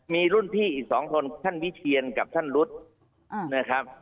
มีรุ่นพี่อีก๒คนท่านวิเชียนกับท่านรุษนะครับ